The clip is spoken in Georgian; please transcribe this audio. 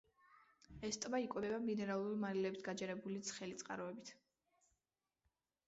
ეს ტბა იკვებება მინერალური მარილებით გაჯერებული ცხელი წყაროებით.